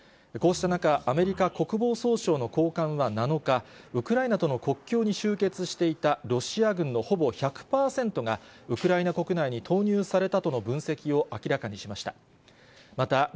こうした中、アメリカ国防総省の高官は７日、ウクライナとの国境に集結していたロシア軍のほぼ１００％がウクライナ国内に投入されたとの分析を明らかにしました。